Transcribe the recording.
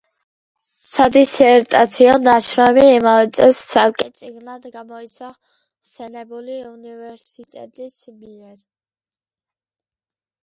სადისერტაციო ნაშრომი იმავე წელს ცალკე წიგნად გამოიცა ხსენებული უნივერსიტეტის მიერ.